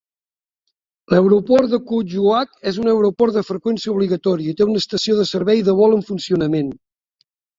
L'aeroport de Kuujjuaq és un aeroport de freqüència obligatòria i té una estació de servei de vol en funcionament.